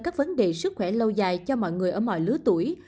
các vấn đề sức khỏe lâu dài cho mọi người ở mọi lứa tuổi